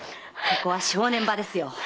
ここは正念場ですよ。